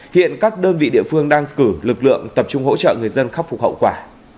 hiện các đơn vị địa phương đang cử lực lượng tập trung hỗ trợ người dân khắc phục hậu quả